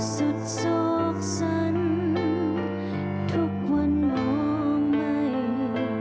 สุดโศกสรรทุกวันน้องไม่